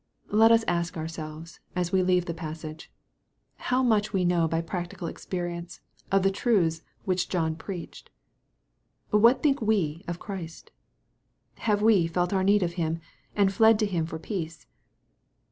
Let us ask ourselves, as we leave the passage, " How much we know by practical experience of the truths which John preached ?" What think we of Christ ? Have we felt our need of Him, and fled to Him for peace